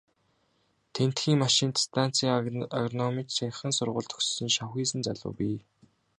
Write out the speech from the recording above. Тэндхийн машинт станцын агрономич, саяхан сургууль төгссөн шавхийсэн залуу бий.